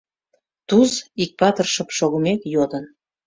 Туз, иктапыр шып шогымек, йодын: